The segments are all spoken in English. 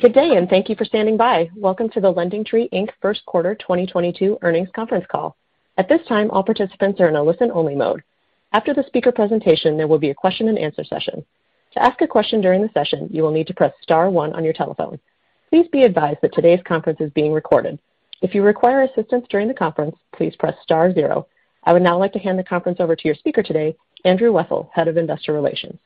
Good day and thank you for standing by. Welcome to the LendingTree, Inc. Q1 2022 Earnings Conference Call. At this time, all participants are in a listen-only mode. After the speaker presentation, there will be a question-and-answer session. To ask a question during the session, you will need to press star one on your telephone. Please be advised that today's conference is being recorded. If you require assistance during the conference, please press star zero. I would now like to hand the conference over to your speaker today, Andrew Wessel, Head of Investor Relations.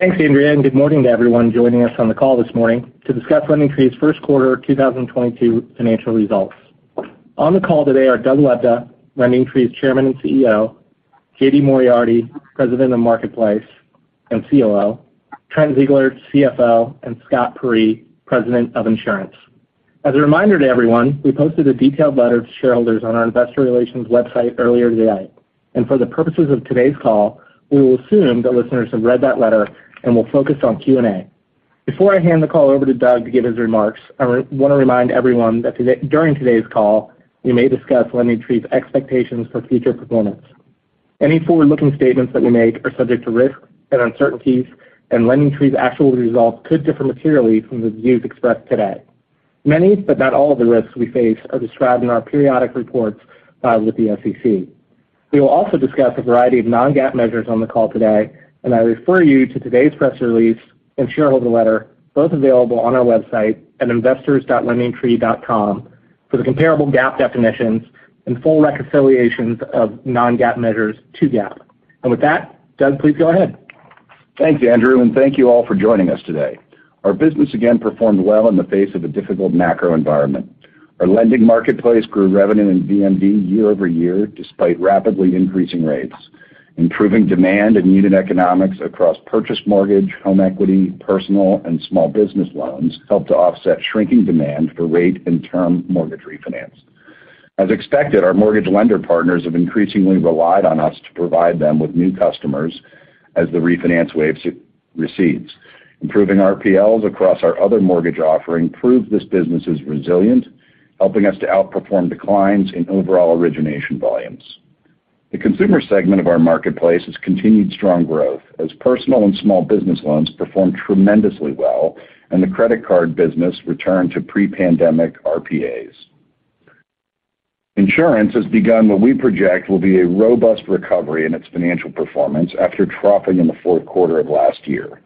Thanks, Andrea, and good morning to everyone joining us on the call this morning to discuss LendingTree's Q1 2022 financial results. On the call today are Doug Lebda, LendingTree's Chairman and CEO, J.D. Moriarty, President of Marketplace and COO, Trent Ziegler, CFO, and Scott Peyree, President of Insurance. As a reminder to everyone, we posted a detailed letter to shareholders on our investor relations website earlier today. For the purposes of today's call, we will assume that listeners have read that letter and will focus on Q&A. Before I hand the call over to Doug to give his remarks, I wanna remind everyone that today, during today's call, we may discuss LendingTree's expectations for future performance. Any forward-looking statements that we make are subject to risks and uncertainties, and LendingTree's actual results could differ materially from the views expressed today. Many, but not all of the risks we face are described in our periodic reports with the SEC. We will also discuss a variety of non-GAAP measures on the call today, and I refer you to today's press release and shareholder letter, both available on our website at investors.lendingtree.com, for the comparable GAAP definitions and full reconciliations of non-GAAP measures to GAAP. With that, Doug, please go ahead. Thanks, Andrew, and thank you all for joining us today. Our business again performed well in the face of a difficult macro environment. Our lending marketplace grew revenue and VMM year over year despite rapidly increasing rates. Improving demand and unit economics across purchase mortgage, home equity, personal, and small business loans helped to offset shrinking demand for rate and term mortgage refinance. As expected, our mortgage lender partners have increasingly relied on us to provide them with new customers as the refinance wave recedes. Improving RPLs across our other mortgage offering prove this business is resilient, helping us to outperform declines in overall origination volumes. The consumer segment of our marketplace has continued strong growth as personal and small business loans perform tremendously well and the credit card business returned to pre-pandemic RPLs. Insurance has begun what we project will be a robust recovery in its financial performance after dropping in the Q4 of last year.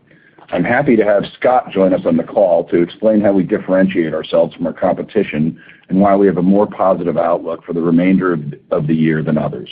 I'm happy to have Scott join us on the call to explain how we differentiate ourselves from our competition and why we have a more positive outlook for the remainder of the year than others.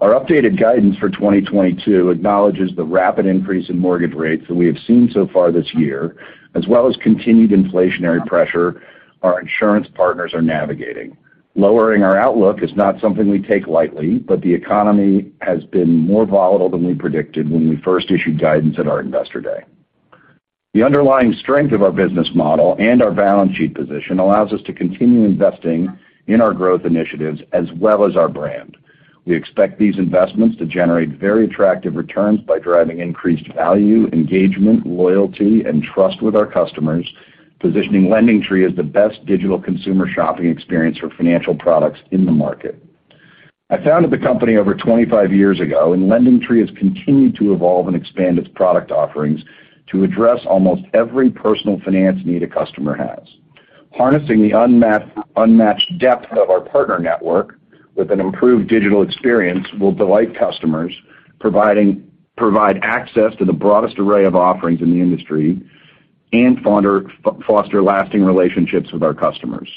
Our updated guidance for 2022 acknowledges the rapid increase in mortgage rates that we have seen so far this year, as well as continued inflationary pressure our insurance partners are navigating. Lowering our outlook is not something we take lightly, but the economy has been more volatile than we predicted when we first issued guidance at our Investor Day. The underlying strength of our business model and our balance sheet position allows us to continue investing in our growth initiatives as well as our brand. We expect these investments to generate very attractive returns by driving increased value, engagement, loyalty, and trust with our customers, positioning LendingTree as the best digital consumer shopping experience for financial products in the market. I founded the company over 25 years ago, and LendingTree has continued to evolve and expand its product offerings to address almost every personal finance need a customer has. Harnessing the unmatched depth of our partner network with an improved digital experience will delight customers, provide access to the broadest array of offerings in the industry and foster lasting relationships with our customers.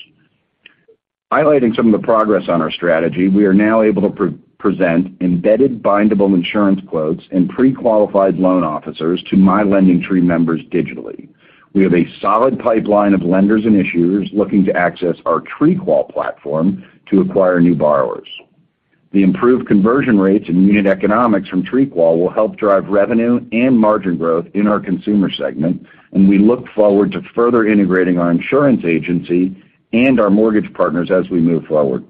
Highlighting some of the progress on our strategy, we are now able to present embedded bindable insurance quotes and pre-qualified loan officers to MyLendingTree members digitally. We have a solid pipeline of lenders and issuers looking to access our TreeQual platform to acquire new borrowers. The improved conversion rates and unit economics from TreeQual will help drive revenue and margin growth in our consumer segment, and we look forward to further integrating our insurance agency and our mortgage partners as we move forward.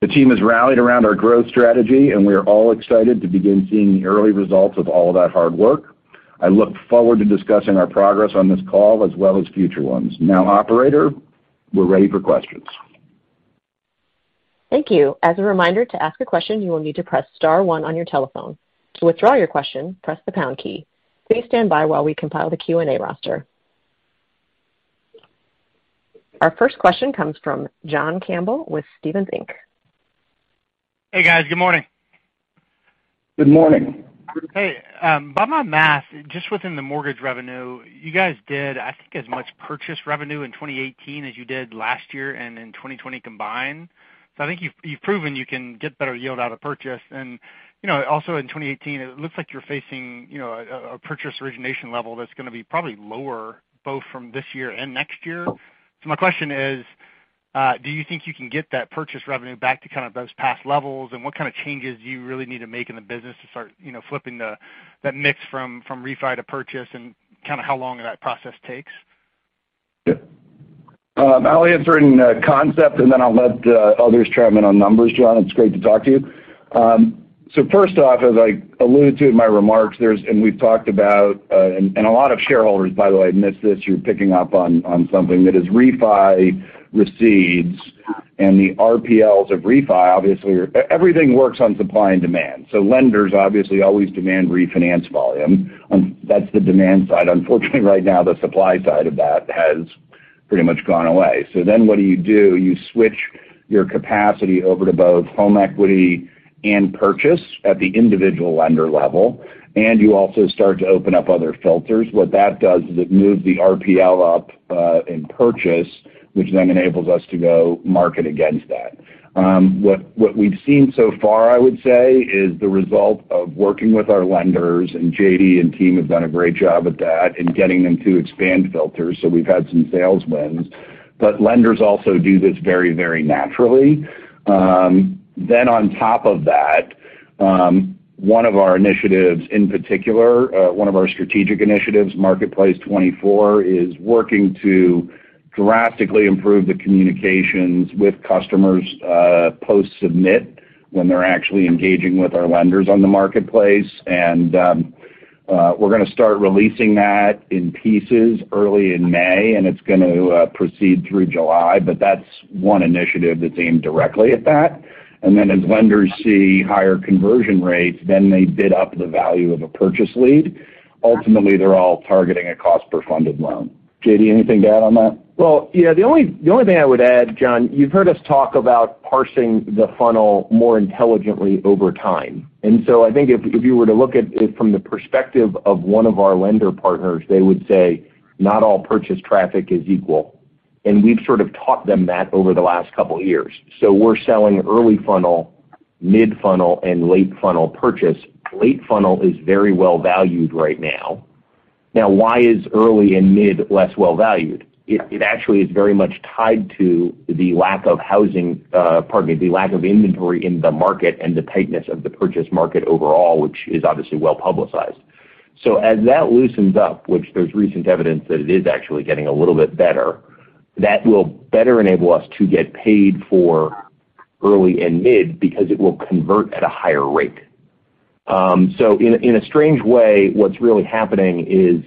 The team has rallied around our growth strategy, and we are all excited to begin seeing the early results of all that hard work. I look forward to discussing our progress on this call as well as future ones. Now, operator, we're ready for questions. Thank you. As a reminder, to ask a question, you will need to press star one on your telephone. To withdraw your question, press the pound key. Please stand by while we compile the Q&A roster. Our first question comes from John Campbell with Stephens Inc. Hey, guys. Good morning. Good morning. Hey, by my math, just within the mortgage revenue, you guys did, I think, as much purchase revenue in 2018 as you did last year and in 2020 combined. I think you've proven you can get better yield out of purchase. You know, also in 2018, it looks like you're facing, you know, a purchase origination level that's gonna be probably lower both from this year and next year. My question is, do you think you can get that purchase revenue back to kind of those past levels, and what kind of changes do you really need to make in the business to start, you know, flipping that mix from refi to purchase and kind of how long that process takes? Yeah. I'll answer in concept, and then I'll let others chime in on numbers, John. It's great to talk to you. First off, as I alluded to in my remarks, there's and we've talked about, and a lot of shareholders, by the way, missed this. You're picking up on something that as refi recedes and the RPLs of refi obviously are. Everything works on supply and demand. Lenders obviously always demand refinance volume. That's the demand side. Unfortunately, right now the supply side of that has pretty much gone away. Then what do you do? You switch your capacity over to both home equity and purchase at the individual lender level, and you also start to open up other filters. What that does is it moves the RPL up in purchase, which then enables us to go market against that. What we've seen so far, I would say, is the result of working with our lenders, and J.D. and team have done a great job at that in getting them to expand filters, so we've had some sales wins. Lenders also do this very, very naturally. On top of that, one of our initiatives in particular, one of our strategic initiatives, Marketplace 24, is working to drastically improve the communications with customers, post-submit when they're actually engaging with our lenders on the marketplace. We're gonna start releasing that in pieces early in May, and it's going to proceed through July. That's one initiative that's aimed directly at that. As lenders see higher conversion rates, then they bid up the value of a purchase lead. Ultimately, they're all targeting a cost per funded loan. J.D., anything to add on that? Well, yeah, the only thing I would add, John, you've heard us talk about parsing the funnel more intelligently over time. I think if you were to look at it from the perspective of one of our lender partners, they would say not all purchase traffic is equal. We've sort of taught them that over the last couple years. We're selling early funnel, mid funnel, and late funnel purchase. Late funnel is very well valued right now. Now why is early and mid-less well valued? It actually is very much tied to the lack of housing, pardon me, the lack of inventory in the market and the tightness of the purchase market overall, which is obviously well-publicized. As that loosens up, which there's recent evidence that it is actually getting a little bit better, that will better enable us to get paid for early and mid because it will convert at a higher rate. In a strange way, what's really happening is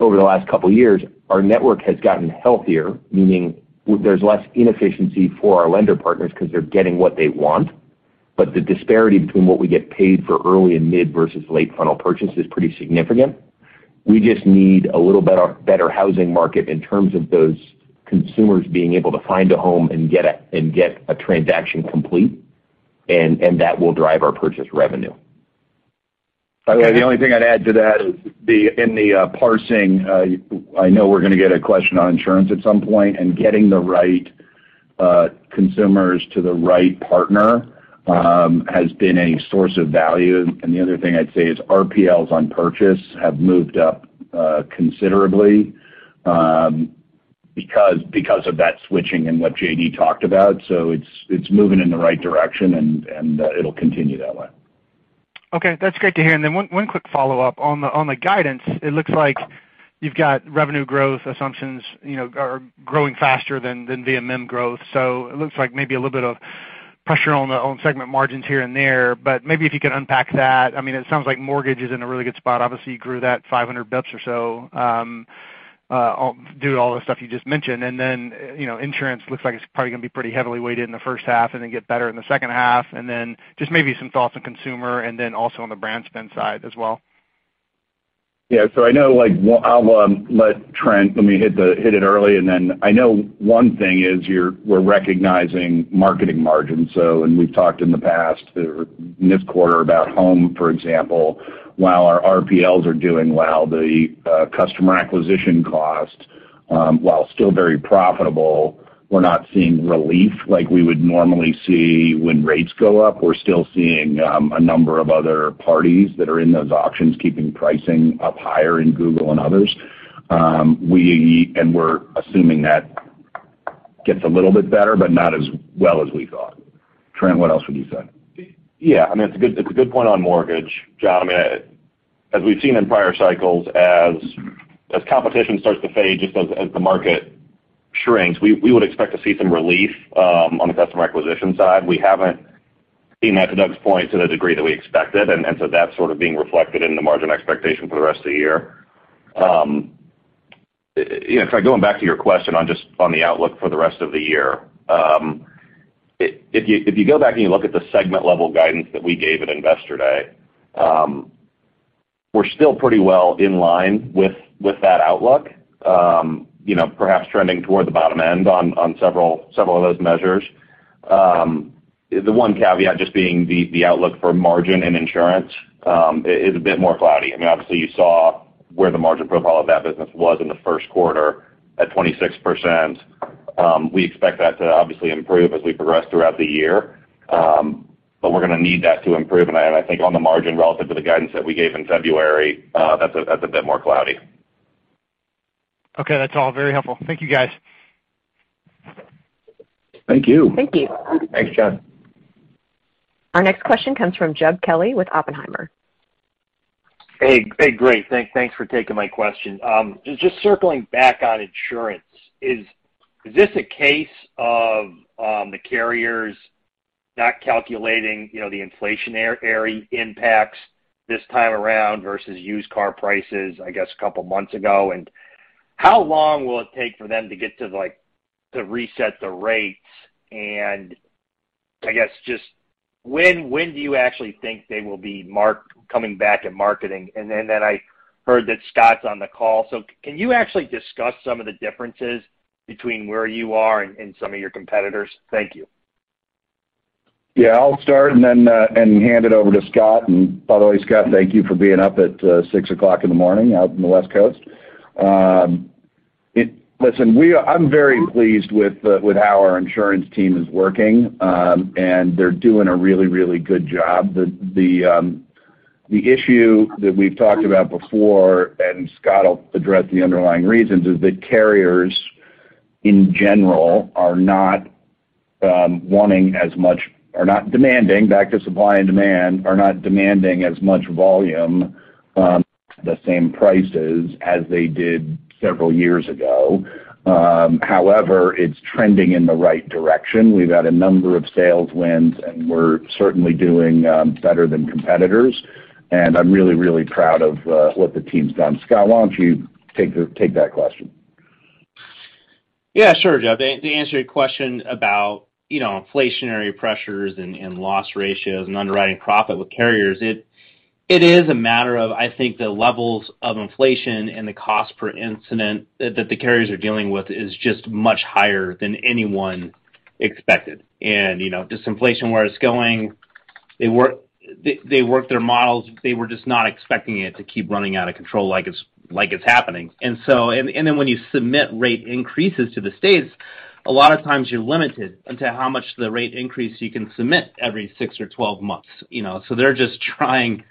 over the last couple years, our network has gotten healthier, meaning there's less inefficiency for our lender partners 'cause they're getting what they want, but the disparity between what we get paid for early and mid versus late funnel purchase is pretty significant. We just need a little better housing market in terms of those consumers being able to find a home and get a transaction complete, and that will drive our purchase revenue. The only thing I'd add to that is the parsing. I know we're gonna get a question on insurance at some point, and getting the right consumers to the right partner has been a source of value. The other thing I'd say is RPLs on purchase have moved up considerably because of that switching and what J.D. talked about. It's moving in the right direction and it'll continue that way. Okay, that's great to hear. One quick follow-up. On the guidance, it looks like you've got revenue growth assumptions, you know, are growing faster than VMM growth. It looks like maybe a little bit of pressure on segment margins here and there, but maybe if you could unpack that. I mean, it sounds like Mortgage is in a really good spot. Obviously, you grew that 500 basis points or so due to all the stuff you just mentioned. You know, Insurance looks like it's probably gonna be pretty heavily weighted in the first half and then get better in the second half. Just maybe some thoughts on Consumer and then also on the brand spend side as well. Yeah. I know, like, I'll let Trent let me hit it early, and then I know one thing is we're recognizing marketing margins. We've talked in the past or in this quarter about home, for example. While our RPLs are doing well, the customer acquisition cost, while still very profitable, we're not seeing relief like we would normally see when rates go up. We're still seeing a number of other parties that are in those auctions keeping pricing up higher in Google and others. We're assuming that gets a little bit better, but not as well as we thought. Trent, what else would you say? Yeah, I mean, it's a good point on mortgage, John. I mean, as we've seen in prior cycles, as competition starts to fade just as the market shrinks, we would expect to see some relief on the customer acquisition side. We haven't seen that, to Doug's point, to the degree that we expected, and so that's sort of being reflected in the margin expectation for the rest of the year. You know, kind of going back to your question on the outlook for the rest of the year, if you go back and you look at the segment level guidance that we gave at Investor Day, we're still pretty well in line with that outlook, you know, perhaps trending toward the bottom end on several of those measures. The one caveat just being the outlook for margin and insurance is a bit more cloudy. I mean, obviously you saw where the margin profile of that business was in the Q1 at 26%. We expect that to obviously improve as we progress throughout the year. We're gonna need that to improve. I think on the margin relative to the guidance that we gave in February, that's a bit more cloudy. Okay. That's all. Very helpful. Thank you, guys. Thank you. Thank you. Thanks, John. Our next question comes from Jed Kelly with Oppenheimer. Hey. Hey, great. Thanks for taking my question. Just circling back on insurance. Is this a case of the carriers not calculating, you know, the inflationary impacts this time around versus used car prices, I guess, a couple months ago? How long will it take for them to get to like to reset the rates and I guess just when do you actually think they will be coming back at marketing? I heard that Scott's on the call. Can you actually discuss some of the differences between where you are and some of your competitors? Thank you. Yeah, I'll start and hand it over to Scott. By the way, Scott, thank you for being up at 6:00 A.M. out in the West Coast. Listen, I'm very pleased with how our insurance team is working, and they're doing a really, really good job. The issue that we've talked about before, and Scott will address the underlying reasons, is that carriers, in general, are not demanding, back to supply and demand, as much volume, the same prices as they did several years ago. However, it's trending in the right direction. We've had a number of sales wins, and we're certainly doing better than competitors. I'm really, really proud of what the team's done. Scott, why don't you take that question? Yeah, sure, Jed. To answer your question about, you know, inflationary pressures and loss ratios and underwriting profit with carriers, it is a matter of, I think the levels of inflation and the cost per incident that the carriers are dealing with is just much higher than anyone expected. You know, just inflation, where it's going, they worked their models, they were just not expecting it to keep running out of control like it's happening. When you submit rate increases to the states, a lot of times you're limited into how much the rate increase you can submit every six or 12 months, you know. They're just trying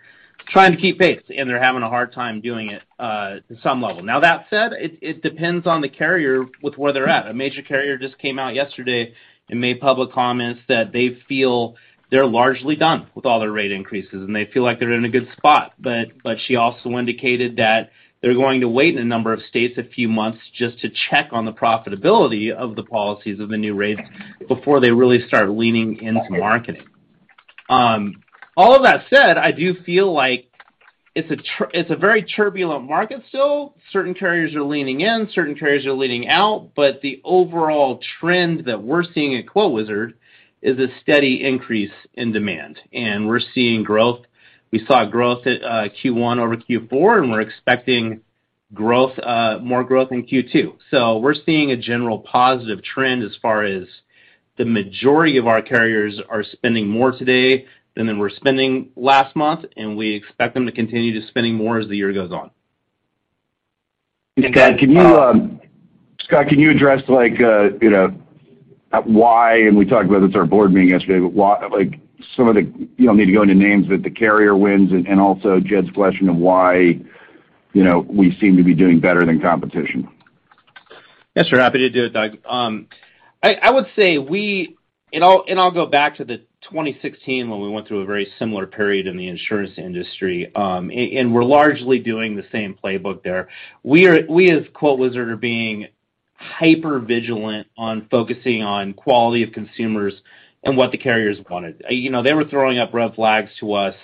to keep pace, and they're having a hard time doing it to some level. That said, it depends on the carrier with where they're at. A major carrier just came out yesterday and made public comments that they feel they're largely done with all their rate increases, and they feel like they're in a good spot. But she also indicated that they're going to wait in a number of states a few months just to check on the profitability of the policies of the new rates before they really start leaning into marketing. All of that said, I do feel like it's a very turbulent market still. Certain carriers are leaning in, certain carriers are leaning out, but the overall trend that we're seeing at QuoteWizard is a steady increase in demand. We're seeing growth. We saw growth at Q1 over Q4, and we're expecting more growth in Q2. We're seeing a general positive trend as far as the majority of our carriers are spending more today than they were spending last month, and we expect them to continue just spending more as the year goes on. Scott, can you address like, you know, why, and we talked about this at our board meeting yesterday, but why, like, some of the, you don't need to go into names, but the carrier wins and also Jed's question of why, you know, we seem to be doing better than competition. Yes, sir, happy to do it, Doug. I would say I'll go back to 2016 when we went through a very similar period in the insurance industry, and we're largely doing the same playbook there. We as QuoteWizard are being hypervigilant on focusing on quality of consumers and what the carriers wanted. You know, they were throwing up red flags to us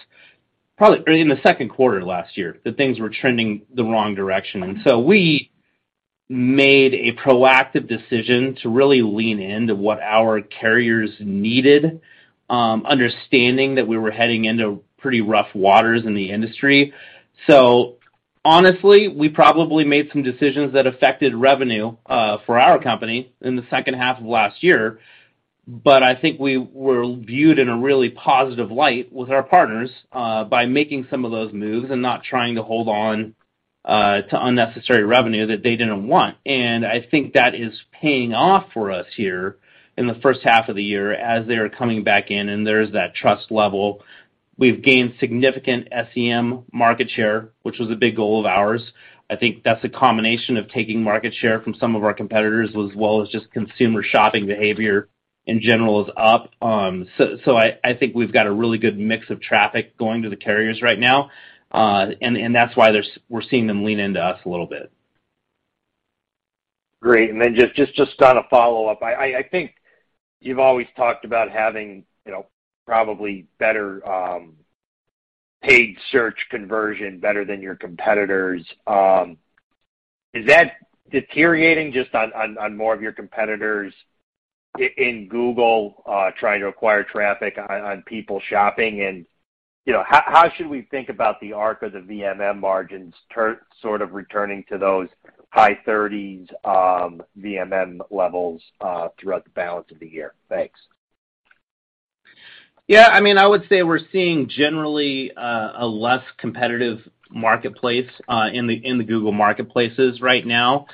probably early in the Q2 last year, that things were trending the wrong direction. We made a proactive decision to really lean into what our carriers needed, understanding that we were heading into pretty rough waters in the industry. Honestly, we probably made some decisions that affected revenue for our company in the second half of last year. I think we were viewed in a really positive light with our partners by making some of those moves and not trying to hold on to unnecessary revenue that they didn't want. I think that is paying off for us here in the first half of the year as they are coming back in and there's that trust level. We've gained significant SEM market share, which was a big goal of ours. I think that's a combination of taking market share from some of our competitors, as well as just consumer shopping behavior in general is up. I think we've got a really good mix of traffic going to the carriers right now, and that's why we're seeing them lean into us a little bit. Great. Just on a follow-up, I think you've always talked about having, you know, probably better paid search conversion better than your competitors. Is that deteriorating just on more of your competitors in Google trying to acquire traffic on people shopping? You know, how should we think about the arc of the VMM margins sort of returning to those high thirties VMM levels throughout the balance of the year? Thanks. Yeah, I mean, I would say we're seeing generally a less competitive marketplace in the Google marketplaces right now.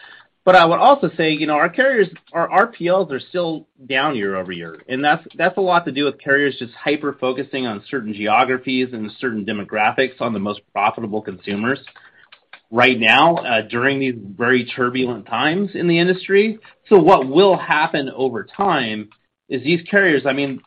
I would also say, you know, our carriers, our RPLs are still down year-over-year. That's a lot to do with carriers just hyper-focusing on certain geographies and certain demographics on the most profitable consumers right now during these very turbulent times in the industry. What will happen over time is these carriers, I mean,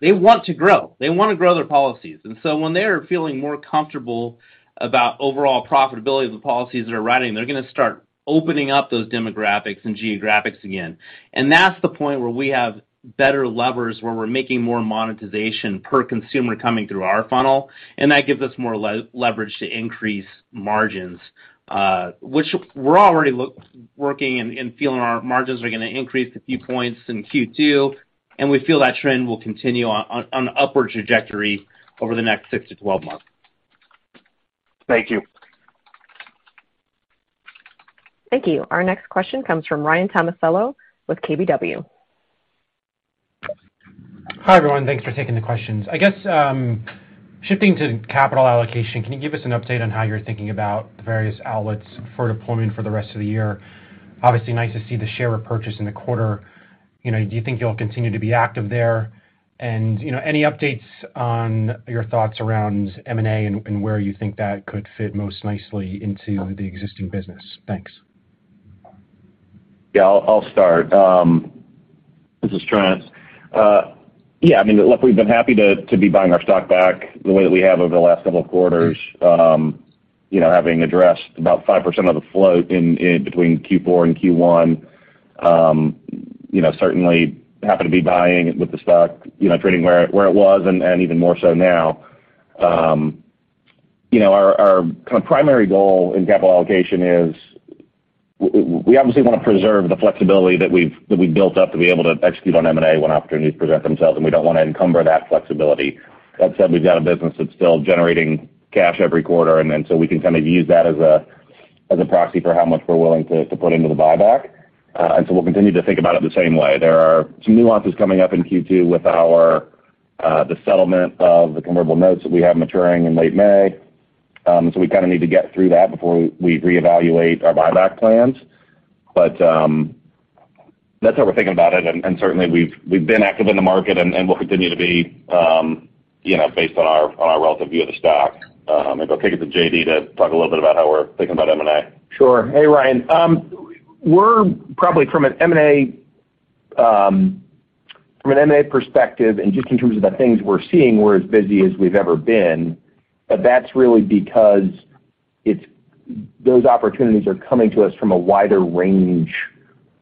they want to grow. They wanna grow their policies. When they are feeling more comfortable about overall profitability of the policies they're writing, they're gonna start opening up those demographics and geographies again. That's the point where we have better levers where we're making more monetization per consumer coming through our funnel, and that gives us more leverage to increase margins. Working and feeling our margins are gonna increase a few points in Q2, and we feel that trend will continue on an upward trajectory over the next six to 12 months. Thank you. Thank you. Our next question comes from Ryan Tomasello with KBW. Hi, everyone. Thanks for taking the questions. I guess, shifting to capital allocation, can you give us an update on how you're thinking about the various outlets for deployment for the rest of the year? Obviously, nice to see the share repurchase in the quarter. You know, do you think you'll continue to be active there? You know, any updates on your thoughts around M&A and where you think that could fit most nicely into the existing business? Thanks. Yeah, I'll start. This is Trent. Yeah, I mean, look, we've been happy to be buying our stock back the way that we have over the last couple of quarters. You know, having addressed about 5% of the float in between Q4 and Q1, you know, certainly happy to be buying with the stock, you know, trading where it was and even more so now. You know, our kind of primary goal in capital allocation is we obviously wanna preserve the flexibility that we've built up to be able to execute on M&A when opportunities present themselves, and we don't wanna encumber that flexibility. That said, we've got a business that's still generating cash every quarter, so we can kind of use that as a proxy for how much we're willing to put into the buyback. We'll continue to think about it the same way. There are some nuances coming up in Q2 with the settlement of the convertible notes that we have maturing in late May. We kind of need to get through that before we reevaluate our buyback plans. That's how we're thinking about it, and certainly we've been active in the market, and we'll continue to be, you know, based on our relative view of the stock. I'll kick it to J.D. to talk a little bit about how we're thinking about M&A. Sure. Hey, Ryan. We're probably from an M&A perspective and just in terms of the things we're seeing, we're as busy as we've ever been. That's really because it's those opportunities are coming to us from a wider range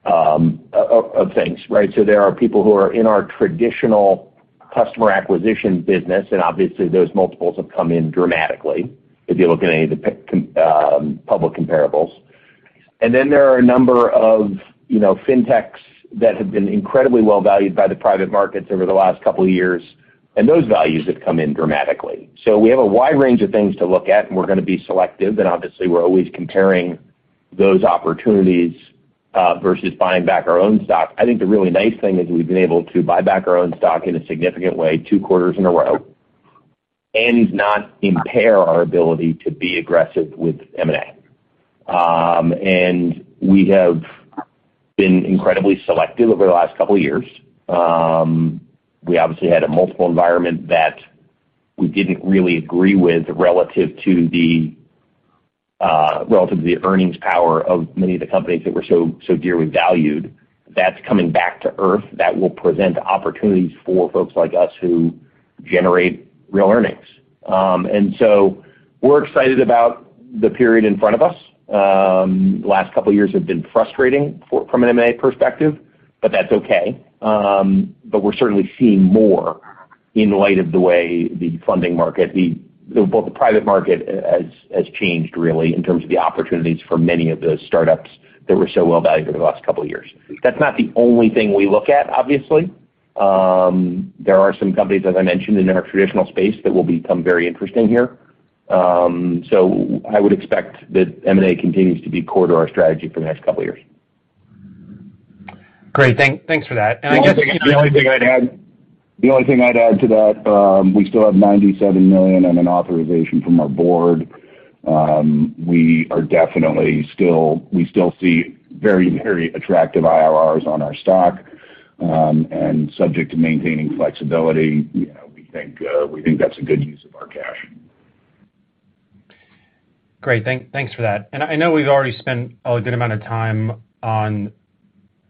of things, right? There are people who are in our traditional customer acquisition business, and obviously, those multiples have come in dramatically if you look at any of the public comparables. Then there are a number of, you know, fintechs that have been incredibly well valued by the private markets over the last couple of years, and those values have come in dramatically. We have a wide range of things to look at, and we're gonna be selective, and obviously, we're always comparing those opportunities versus buying back our own stock. I think the really nice thing is we've been able to buy back our own stock in a significant way two quarters in a row and not impair our ability to be aggressive with M&A. We have been incredibly selective over the last couple of years. We obviously had a multiple environment that we didn't really agree with relative to the earnings power of many of the companies that were so dearly valued. That's coming back to earth. That will present opportunities for folks like us who generate real earnings. We're excited about the period in front of us. Last couple of years have been frustrating from an M&A perspective. That's okay. We're certainly seeing more in light of the way the funding market, both the private market has changed really in terms of the opportunities for many of the startups that were so well valued over the last couple of years. That's not the only thing we look at, obviously. There are some companies, as I mentioned, in our traditional space that will become very interesting here. I would expect that M&A continues to be core to our strategy for the next couple of years. Great. Thanks for that. I guess. The only thing I'd add to that, we still have $97 million and an authorization from our board. We still see very, very attractive IRRs on our stock, and subject to maintaining flexibility, you know, we think that's a good use of our cash. Great. Thanks for that. I know we've already spent a good amount of time on,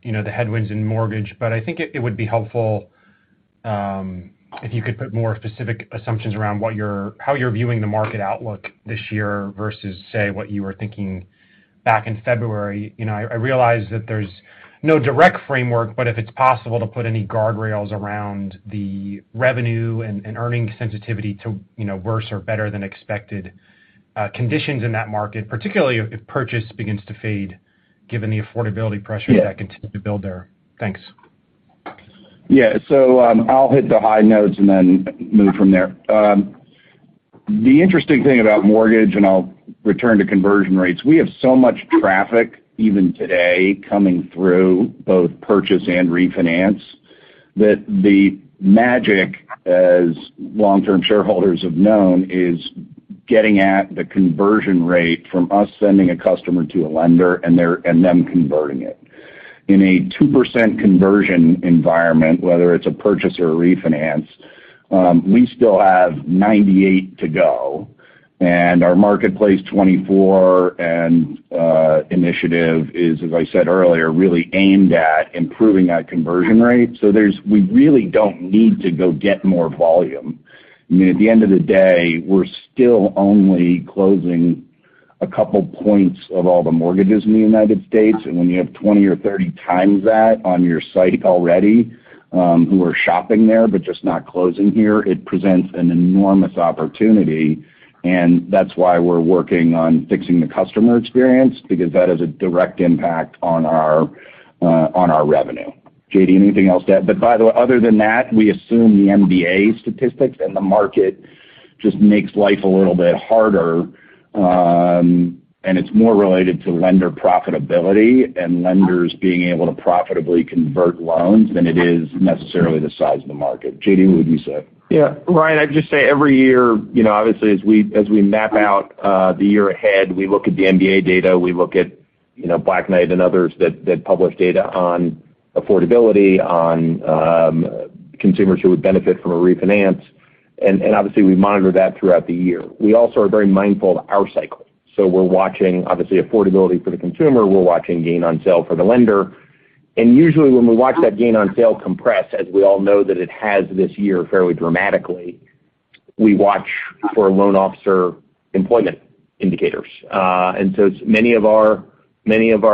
you know, the headwinds in mortgage, but I think it would be helpful if you could put more specific assumptions around how you're viewing the market outlook this year versus, say, what you were thinking back in February. You know, I realize that there's no direct framework, but if it's possible to put any guardrails around the revenue and earnings sensitivity to, you know, worse or better than expected conditions in that market, particularly if purchase begins to fade given the affordability pressures. Yeah. that continue to build there. Thanks. Yeah. I'll hit the high notes and then move from there. The interesting thing about mortgage, and I'll return to conversion rates, we have so much traffic even today coming through both purchase and refinance, that the magic, as long-term shareholders have known, is getting at the conversion rate from us sending a customer to a lender and them converting it. In a 2% conversion environment, whether it's a purchase or a refinance, we still have 98 to go, and our Marketplace 2.0 initiative is, as I said earlier, really aimed at improving that conversion rate. We really don't need to go get more volume. I mean, at the end of the day, we're still only closing a couple points of all the mortgages in the U.S., and when you have 20 or 30 times that on your site already, who are shopping there but just not closing here, it presents an enormous opportunity, and that's why we're working on fixing the customer experience because that has a direct impact on our revenue. J.D., anything else to add? By the way, other than that, we assume the MBA statistics and the market just makes life a little bit harder, and it's more related to lender profitability and lenders being able to profitably convert loans than it is necessarily the size of the market. J.D., what would you say? Yeah. Ryan, I'd just say every year, you know, obviously, as we map out the year ahead, we look at the MBA data, we look at, you know, Black Knight and others that publish data on affordability, on consumers who would benefit from a refinance, and obviously we monitor that throughout the year. We also are very mindful of our cycle. We're watching obviously affordability for the consumer, we're watching gain on sale for the lender. Usually when we watch that gain on sale compress, as we all know that it has this year fairly dramatically, we watch for loan officer employment indicators. It's many of our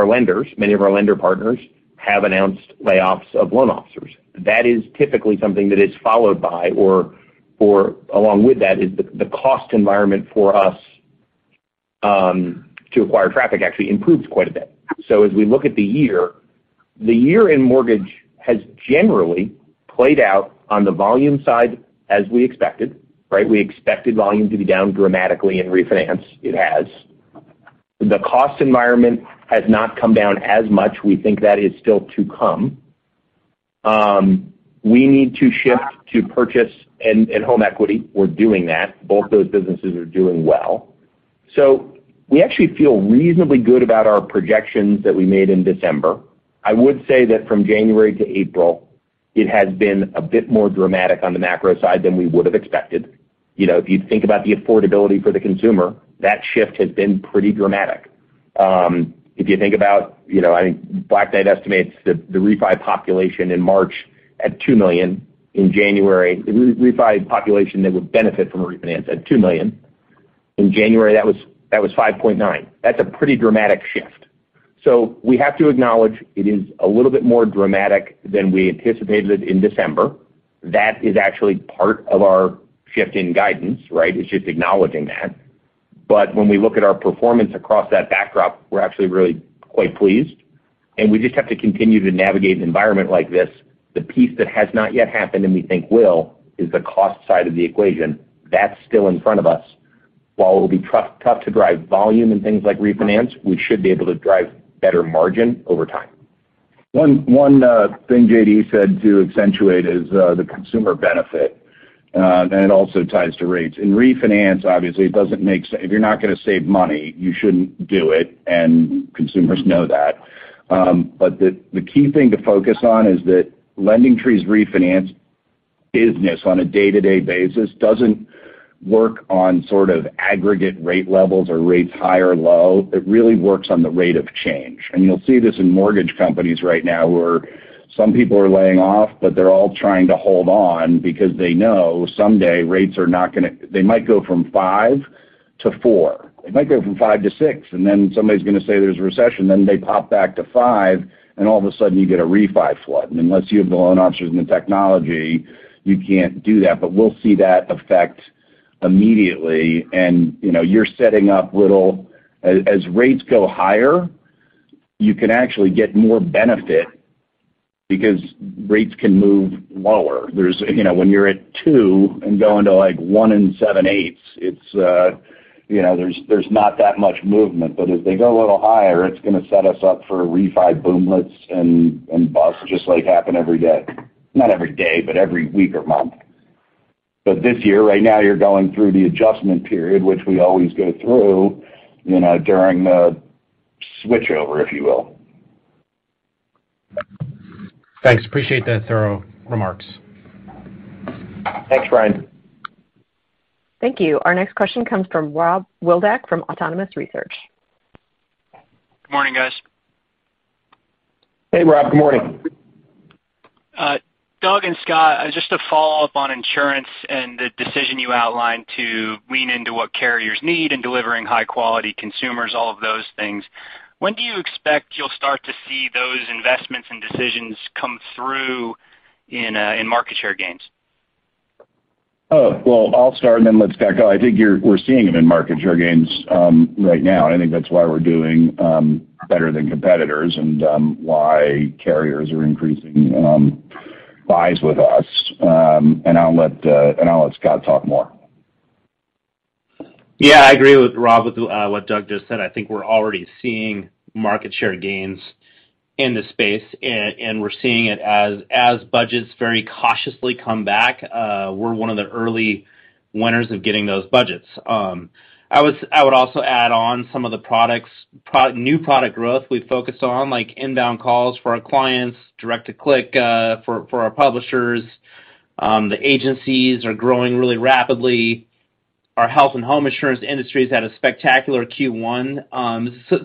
lenders, many of our lender partners have announced layoffs of loan officers. That is typically something that is followed by or along with that is the cost environment for us to acquire traffic actually improves quite a bit. As we look at the year in mortgage has generally played out on the volume side as we expected, right? We expected volume to be down dramatically in refinance. It has. The cost environment has not come down as much. We think that is still to come. We need to shift to purchase and home equity. We're doing that. Both those businesses are doing well. We actually feel reasonably good about our projections that we made in December. I would say that from January to April, it has been a bit more dramatic on the macro side than we would've expected. You know, if you think about the affordability for the consumer, that shift has been pretty dramatic. If you think about, you know, I think Black Knight estimates the refi population in March at two million. In January, refi population that would benefit from a refinance at two million. In January, that was 5.9. That's a pretty dramatic shift. We have to acknowledge it is a little bit more dramatic than we anticipated it in December. That is actually part of our shift in guidance, right? It's just acknowledging that. When we look at our performance across that backdrop, we're actually really quite pleased, and we just have to continue to navigate an environment like this. The piece that has not yet happened, and we think will, is the cost side of the equation. That's still in front of us. While it'll be tough to drive volume and things like refinance, we should be able to drive better margin over time. One thing J.D. said to accentuate is the consumer benefit, and it also ties to rates. In refinance, obviously it doesn't make sense. If you're not gonna save money, you shouldn't do it, and consumers know that. The key thing to focus on is that LendingTree's refinance business on a day-to-day basis doesn't work on sort of aggregate rate levels or rates high or low. It really works on the rate of change. You'll see this in mortgage companies right now, where some people are laying off, but they're all trying to hold on because they know someday rates are not gonna. They might go from 5% to 4%. They might go from 5% to 6%, and then somebody's gonna say there's a recession, then they pop back to 5%, and all of a sudden, you get a refi flood. Unless you have the loan officers and the technology, you can't do that. We'll see that effect immediately and, you know, you're setting up little as rates go higher, you can actually get more benefit because rates can move lower. There's, you know, when you're at 2% and going to, like, 1% 7% 8%, it's, you know, there's not that much movement. As they go a little higher, it's gonna set us up for refi boomlets and busts just like happen every day. Not every day, but every week or month. This year, right now, you're going through the adjustment period, which we always go through, you know, during the switchover, if you will. Thanks. Appreciate that thorough remarks. Thanks, Ryan. Thank you. Our next question comes from Robert Wildhack from Autonomous Research. Good morning, guys. Hey, Rob. Good morning. Doug and Scott, just to follow up on insurance and the decision you outlined to lean into what carriers need in delivering high quality consumers, all of those things, when do you expect you'll start to see those investments and decisions come through in market share gains? Well, I'll start and then let's back up. I think we're seeing them in market share gains right now, and I think that's why we're doing better than competitors and why carriers are increasing buys with us. I'll let Scott talk more. Yeah, I agree with Rob, with what Doug just said. I think we're already seeing market share gains in the space, and we're seeing it as budgets very cautiously come back. We're one of the early winners of getting those budgets. I would also add on some of the products, new product growth we focused on, like inbound calls for our clients, direct to click, for our publishers. The agencies are growing really rapidly. Our health and home insurance industry has had a spectacular Q1.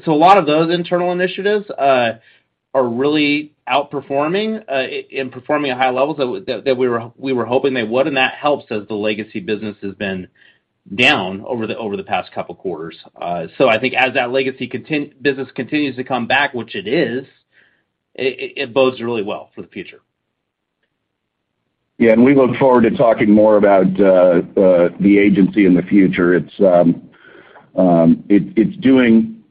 A lot of those internal initiatives are really outperforming and performing at high levels that we were hoping they would, and that helps as the legacy business has been down over the past couple quarters. I think as that legacy continuing business continues to come back, which it is, it bodes really well for the future. Yeah, we look forward to talking more about the agency in the future. It's doing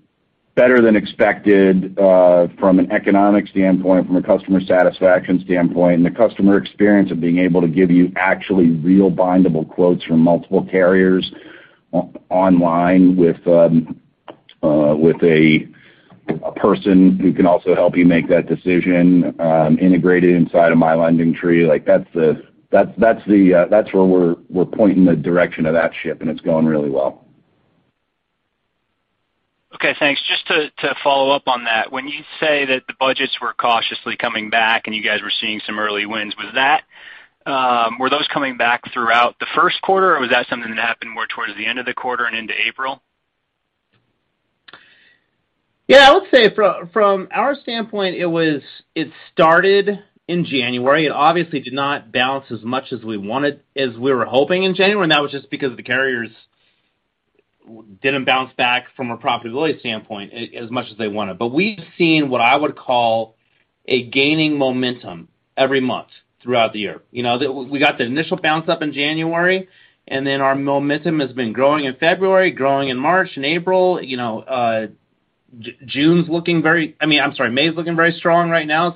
better than expected from an economic standpoint, from a customer satisfaction standpoint, and the customer experience of being able to give you actually real bindable quotes from multiple carriers online with a person who can also help you make that decision, integrated inside of MyLendingTree. Like, that's where we're pointing the direction of that ship, and it's going really well. Okay, thanks. Just to follow up on that. When you say that the budgets were cautiously coming back and you guys were seeing some early wins, was that? Were those coming back throughout the Q1, or was that something that happened more towards the end of the quarter and into April? Yeah, I would say from our standpoint, it started in January. It obviously did not balance as much as we wanted, as we were hoping in January, and that was just because the carriers didn't bounce back from a profitability standpoint as much as they wanted. But we've seen what I would call a gaining momentum every month throughout the year. You know, we got the initial bounce-up in January, and then our momentum has been growing in February, growing in March and April. You know, I mean, I'm sorry, May is looking very strong right now.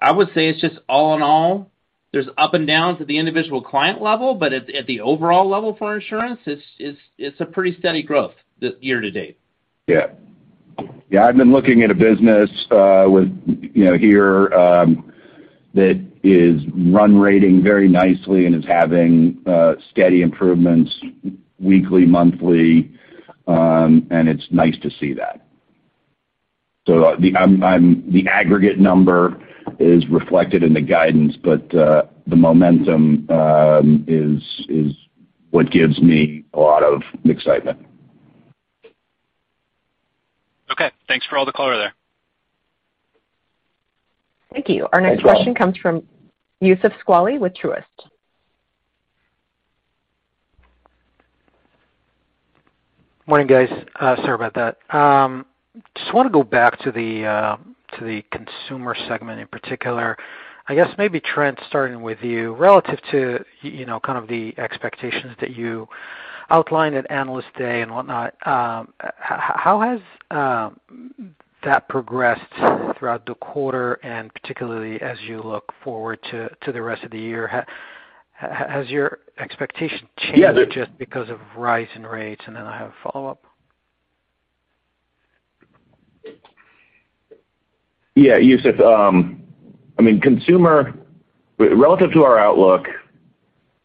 I would say it's just all in all, there's ups and downs at the individual client level, but at the overall level for insurance, it's a pretty steady growth year to date. Yeah. Yeah, I've been looking at a business with, you know, here that is run rate very nicely and is having steady improvements weekly, monthly, and it's nice to see that. The aggregate number is reflected in the guidance, but the momentum is what gives me a lot of excitement. Okay. Thanks for all the color there. Thank you. Thanks. Our next question comes from Youssef Squali with Truist. Morning, guys. Sorry about that. Just wanna go back to the consumer segment in particular. I guess maybe, Trent, starting with you. Relative to you know, kind of the expectations that you outlined at Investor Day and whatnot, how has that progressed throughout the quarter and particularly as you look forward to the rest of the year? Has your expectation changed? Yeah. Just because of rise in rates? I have a follow-up. Yeah, Youssef. I mean, consumer relative to our outlook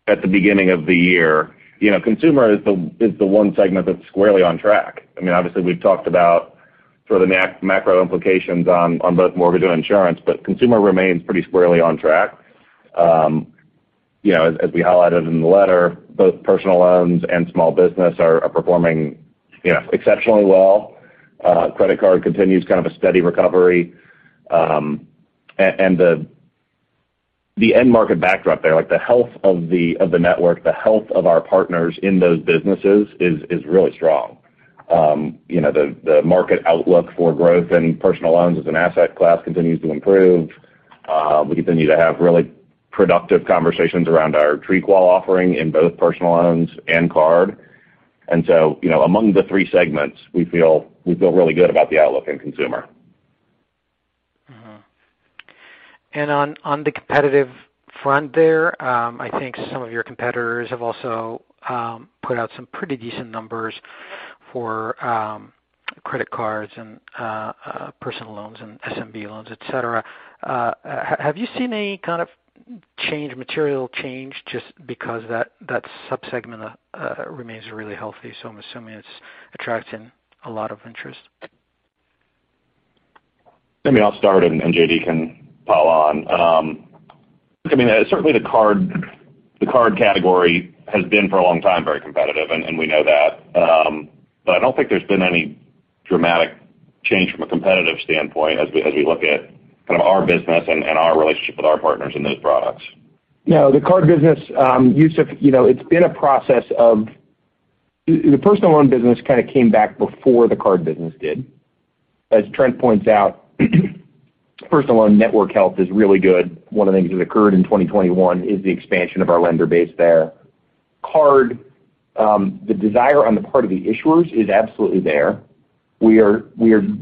at the beginning of the year, you know, consumer is the one segment that's squarely on track. I mean, obviously, we've talked about sort of the macro implications on both mortgage and insurance, but consumer remains pretty squarely on track. You know, as we highlighted in the letter, both personal loans and small business are performing exceptionally well. Credit card continues kind of a steady recovery. And the end market backdrop there, like the health of the network, the health of our partners in those businesses is really strong. You know, the market outlook for growth and personal loans as an asset class continues to improve. We continue to have really productive conversations around our TreeQual offering in both personal loans and card. You know, among the three segments, we feel really good about the outlook in consumer. On the competitive front there, I think some of your competitors have also put out some pretty decent numbers for credit cards and personal loans and SMB loans, et cetera. Have you seen any kind of change, material change just because that sub-segment remains really healthy, so I'm assuming it's attracting a lot of interest? Maybe I'll start and J.D. can pile on. I mean, certainly the card category has been for a long time, very competitive, and we know that. I don't think there's been any dramatic change from a competitive standpoint as we look at kind of our business and our relationship with our partners in those products. No, the card business, Youssef, you know, it's been a process of. The personal loan business kinda came back before the card business did. As Trent points out, personal loan network health is really good. One of the things that occurred in 2021 is the expansion of our lender base there. Card, the desire on the part of the issuers is absolutely there. We are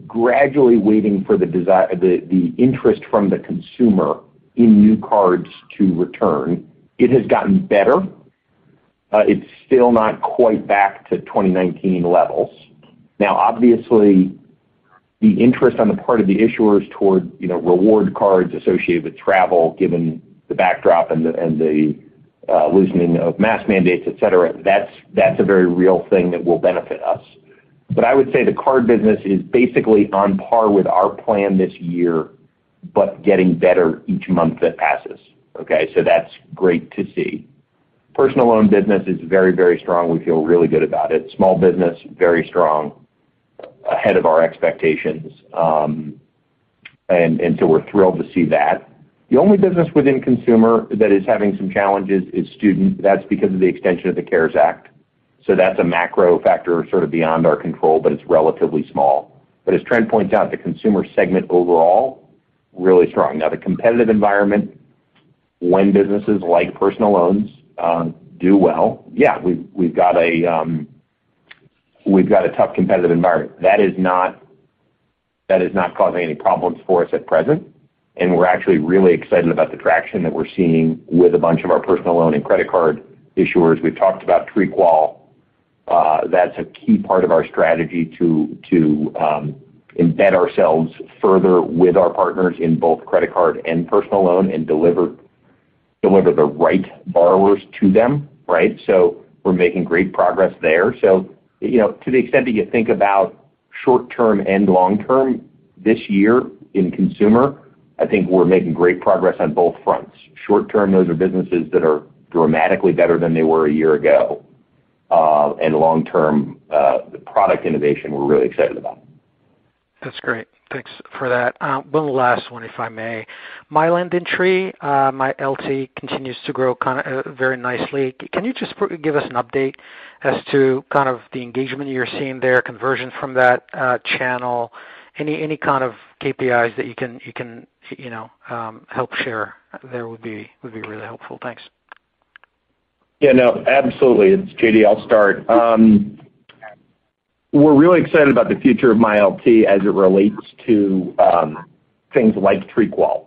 gradually waiting for the interest from the consumer in new cards to return. It has gotten better. It's still not quite back to 2019 levels. Now obviously, the interest on the part of the issuers toward, you know, reward cards associated with travel, given the backdrop and the loosening of mask mandates, et cetera, that's a very real thing that will benefit us. I would say the card business is basically on par with our plan this year, but getting better each month that passes. Okay? That's great to see. Personal loan business is very, very strong. We feel really good about it. Small business, very strong. Ahead of our expectations, and so we're thrilled to see that. The only business within consumer that is having some challenges is student. That's because of the extension of the CARES Act. That's a macro factor sort of beyond our control, but it's relatively small. As Trent points out, the consumer segment overall, really strong. Now, the competitive environment when businesses like personal loans do well, yeah, we've got a tough competitive environment. That is not causing any problems for us at present, and we're actually really excited about the traction that we're seeing with a bunch of our personal loan and credit card issuers. We've talked about TreeQual. That's a key part of our strategy to embed ourselves further with our partners in both credit card and personal loan and deliver the right borrowers to them, right? We're making great progress there. You know, to the extent that you think about short-term and long-term this year in consumer, I think we're making great progress on both fronts. Short-term, those are businesses that are dramatically better than they were a year ago. Long-term, the product innovation we're really excited about. That's great. Thanks for that. One last one, if I may. My LendingTree, MyLT continues to grow kind of very nicely. Can you just quickly give us an update as to kind of the engagement you're seeing there, conversion from that channel? Any kind of KPIs that you can, you know, help share there would be really helpful. Thanks. Yeah, no. Absolutely. It's J.D., I'll start. We're really excited about the future of MyLT as it relates to things like TreeQual.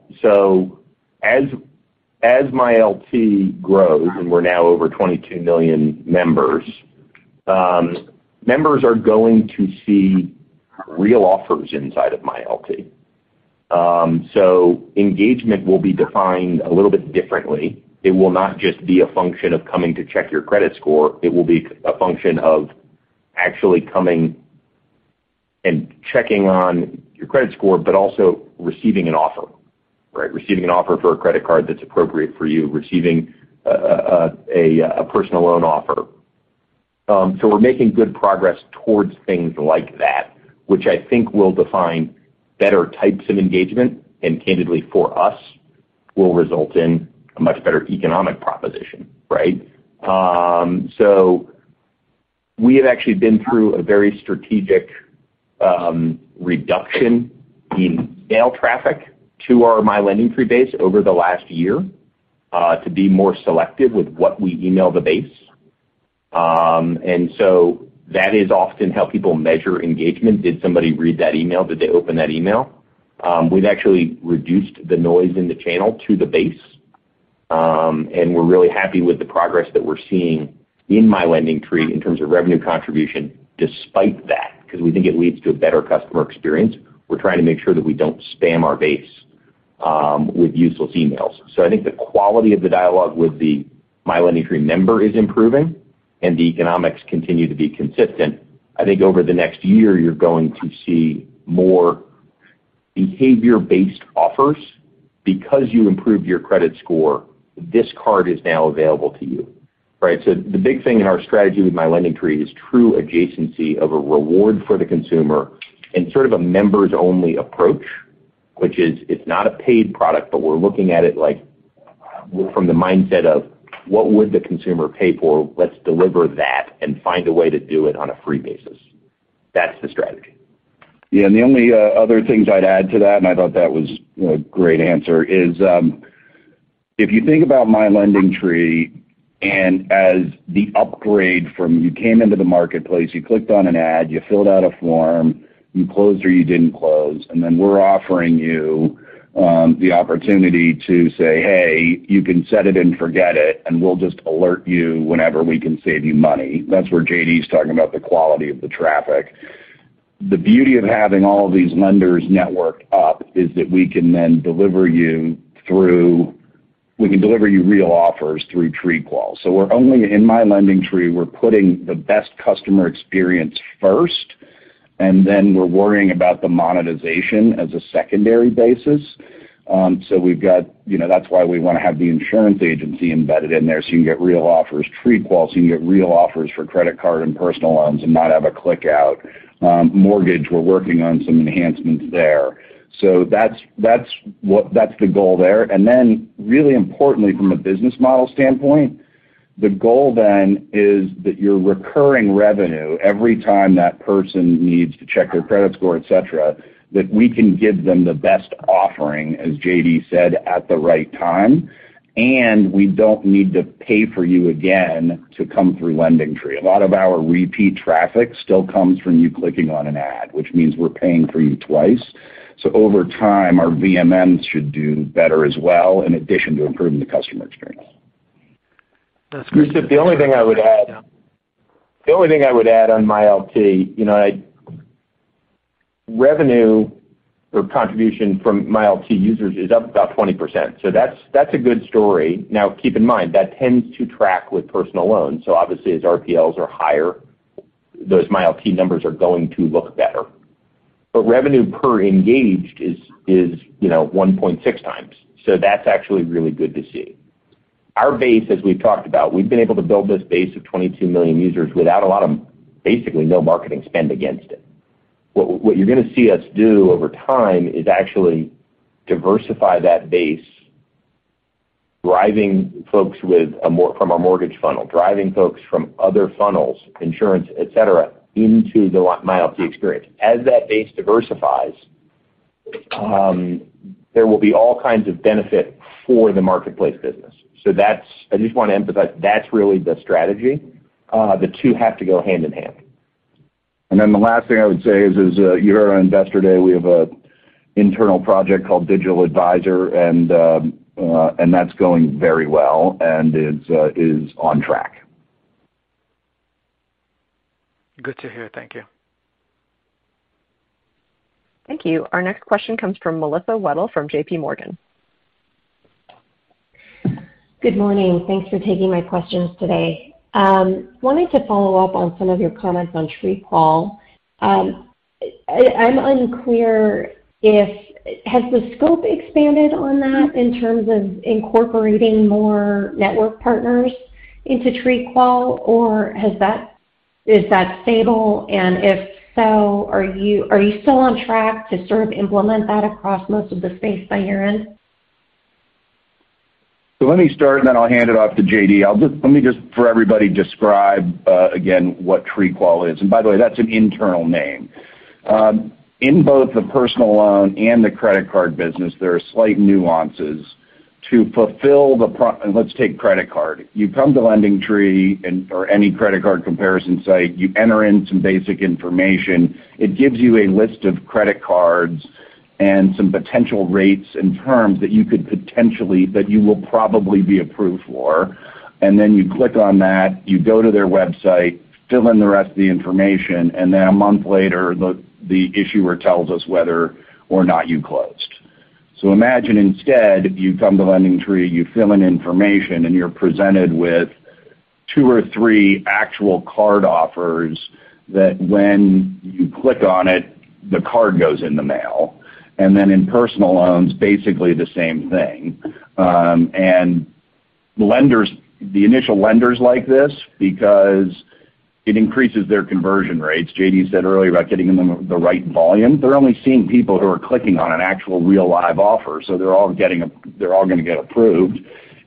As MyLT grows, and we're now over 22 million members are going to see real offers inside of MyLT. Engagement will be defined a little bit differently. It will not just be a function of coming to check your credit score, it will be a function of actually coming and checking on your credit score, but also receiving an offer, right? Receiving an offer for a credit card that's appropriate for you, receiving a personal loan offer. We're making good progress towards things like that, which I think will define better types of engagement, and candidly, for us, will result in a much better economic proposition, right? We have actually been through a very strategic reduction in email traffic to our MyLendingTree base over the last year, to be more selective with what we email the base. That is often how people measure engagement. Did somebody read that email? Did they open that email? We've actually reduced the noise in the channel to the base, and we're really happy with the progress that we're seeing in MyLendingTree in terms of revenue contribution despite that, 'cause we think it leads to a better customer experience. We're trying to make sure that we don't spam our base with useless emails. I think the quality of the dialogue with the MyLendingTree member is improving, and the economics continue to be consistent. I think over the next year, you're going to see more behavior-based offers. Because you improved your credit score, this card is now available to you, right? The big thing in our strategy with MyLendingTree is true adjacency of a reward for the consumer and sort of a members-only approach, which is it's not a paid product, but we're looking at it like from the mindset of what would the consumer pay for? Let's deliver that and find a way to do it on a free basis. That's the strategy. Yeah, the only other things I'd add to that, I thought that was a great answer, is if you think about MyLendingTree and as the upgrade from you came into the marketplace, you clicked on an ad, you filled out a form, you closed or you didn't close, and then we're offering you the opportunity to say, "Hey, you can set it and forget it, and we'll just alert you whenever we can save you money." That's where J.D.'s talking about the quality of the traffic. The beauty of having all of these lenders networked up is that we can then deliver you real offers through TreeQual. In MyLendingTree, we're putting the best customer experience first, and then we're worrying about the monetization as a secondary basis. We've got, you know, that's why we wanna have the insurance agency embedded in there, so you can get real offers. TreeQual, so you can get real offers for credit card and personal loans and not have a click out. Mortgage, we're working on some enhancements there. That's what the goal there is. Then really importantly, from a business model standpoint, the goal then is that your recurring revenue, every time that person needs to check their credit score, et cetera, that we can give them the best offering, as J.D. said, at the right time, and we don't need to pay for you again to come through LendingTree. A lot of our repeat traffic still comes from you clicking on an ad, which means we're paying for you twice. Over time, our VMM should do better as well, in addition to improving the customer experience. That's great. The only thing I would add. Yeah. The only thing I would add on MyLT, you know, Revenue or contribution from MyLT users is up about 20%, so that's a good story. Now, keep in mind, that tends to track with personal loans, so obviously, as RPLs are higher, those MyLT numbers are going to look better. Revenue per engaged is, you know, 1.6 times, so that's actually really good to see. Our base, as we've talked about, we've been able to build this base of 22 million users without a lot of basically no marketing spend against it. What you're gonna see us do over time is actually diversify that base, driving folks from a mortgage funnel, driving folks from other funnels, insurance, etc., into the MyLT experience. As that base diversifies, there will be all kinds of benefit for the marketplace business. That's I just wanna emphasize that's really the strategy. The two have to go hand in hand. The last thing I would say is, as you heard on Investor Day, we have an internal project called Digital Advisor, and that's going very well, and it's on track. Good to hear. Thank you. Thank you. Our next question comes from Melissa Wedel from J.P. Morgan. Good morning. Thanks for taking my questions today. Wanted to follow up on some of your comments on TreeQual. I'm unclear if the scope has expanded on that in terms of incorporating more network partners into TreeQual, or is that stable? If so, are you still on track to sort of implement that across most of the space by year-end? Let me start, and then I'll hand it off to J.D. Let me just for everybody describe again what TreeQual is. By the way, that's an internal name. In both the personal loan and the credit card business, there are slight nuances to fulfill. Let's take credit card. You come to LendingTree or any credit card comparison site, you enter in some basic information, it gives you a list of credit cards and some potential rates and terms that you will probably be approved for, and then you click on that, you go to their website, fill in the rest of the information, and then a month later, the issuer tells us whether or not you closed. Imagine instead, you come to LendingTree, you fill in information, and you're presented with two or three actual card offers that when you click on it, the card goes in the mail. In personal loans, basically the same thing. Lenders, the initial lenders like this because it increases their conversion rates. J.D. said earlier about getting them the right volume. They're only seeing people who are clicking on an actual real live offer, so they're all gonna get approved.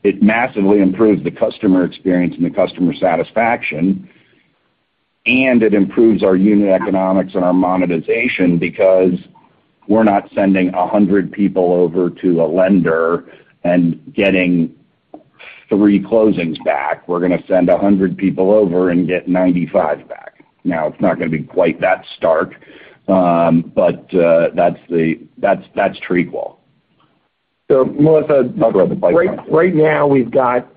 It massively improves the customer experience and the customer satisfaction, and it improves our unit economics and our monetization because we're not sending 100 people over to a lender and getting three closings back. We're gonna send 100 people over and get 95 back. Now, it's not gonna be quite that stark, but that's TreeQual. Melissa- I'll throw the mic down to you. Right now we've got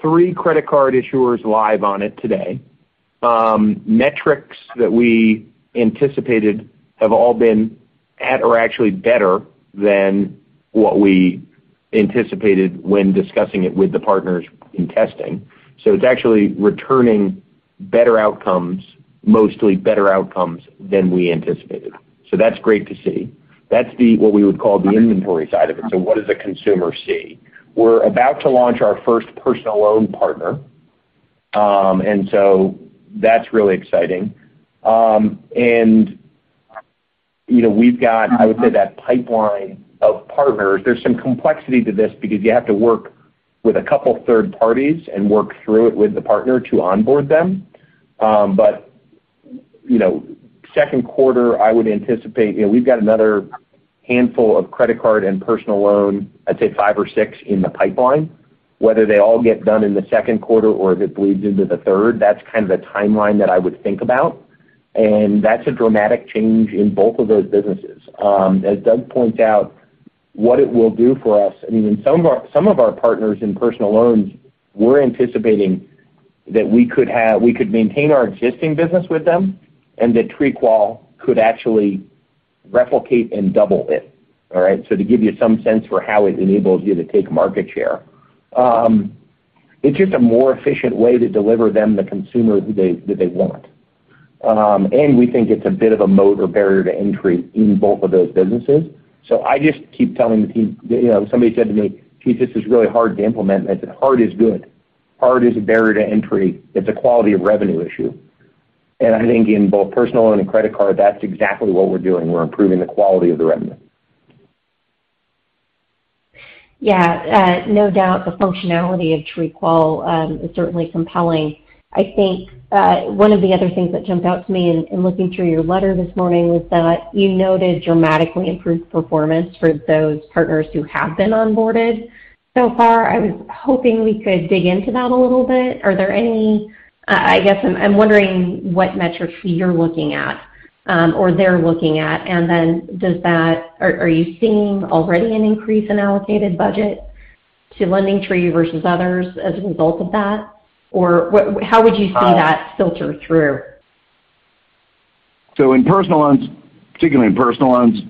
three credit card issuers live on it today. Metrics that we anticipated have all been at or actually better than what we anticipated when discussing it with the partners in testing. It's actually returning better outcomes, mostly better outcomes than we anticipated. That's great to see. That's what we would call the inventory side of it, so what does a consumer see? We're about to launch our first personal loan partner, and that's really exciting. You know, we've got that pipeline of partners. There's some complexity to this because you have to work with a couple third parties and work through it with the partner to onboard them. You know, Q2, I would anticipate. You know, we've got another handful of credit card and personal loan, I'd say five or six in the pipeline. Whether they all get done in the Q2 or if it bleeds into the Q3, that's kind of the timeline that I would think about. That's a dramatic change in both of those businesses. As Doug points out, what it will do for us, I mean, some of our partners in personal loans, we're anticipating that we could maintain our existing business with them and that TreeQual could actually replicate and double it. All right? To give you some sense for how it enables you to take market share. It's just a more efficient way to deliver them the consumer that they want. We think it's a bit of a moat or barrier to entry in both of those businesses. I just keep telling the team. You know, somebody said to me, "Geez, this is really hard to implement." I said, "Hard is good. Hard is a barrier to entry. It's a quality of revenue issue." I think in both personal and credit card, that's exactly what we're doing. We're improving the quality of the revenue. Yeah. No doubt the functionality of TreeQual is certainly compelling. I think one of the other things that jumped out to me in looking through your letter this morning was that you noted dramatically improved performance for those partners who have been onboarded so far. I was hoping we could dig into that a little bit. I guess I'm wondering what metrics you're looking at or they're looking at. Are you seeing already an increase in allocated budget to LendingTree versus others as a result of that? Or how would you see that filter through? In personal loans, particularly in personal loans,